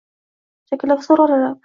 Chakalakzor oralab.